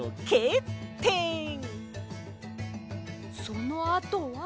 そのあとは。